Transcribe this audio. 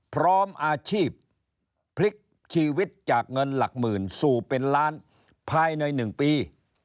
พร้อมอาชีพพลิกชีวิตจากเงินหลักหมื่นสู่เป็นล้านภายใน๑ปี